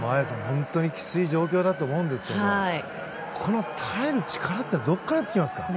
本当にきつい状況だと思いますがこの耐える力はどこから出てきますか？